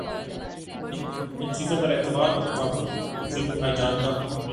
ان چیزوں پر اعتبار کرتا ہوں جن کو میں جانتا ہوں